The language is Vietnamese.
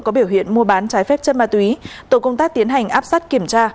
có biểu hiện mua bán trái phép chất ma túy tổ công tác tiến hành áp sát kiểm tra